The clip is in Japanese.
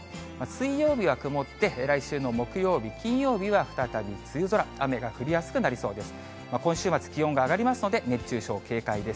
水曜日は曇って、来週の木曜日、金曜日は再び梅雨空、雨が降りやすくなりそうです。